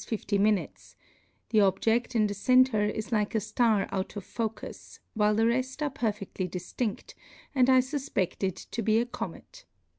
50^, the objed in the center is like a ilar out of focus, while the reft are perfectly diftind, and I fufped it to be a comet.